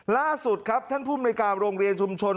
ล่าสุดครับท่านภูมิในการโรงเรียนชุมชน